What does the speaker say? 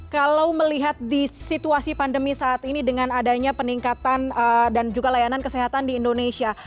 kalau melihat di situasi pandemi saat ini dengan adanya peningkatan dan juga layanan kesehatan di indonesia